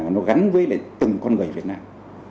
nó gắn với từng con người việt nam